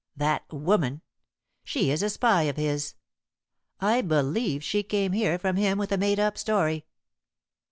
That woman. She is a spy of his. I believe she came here from him with a made up story.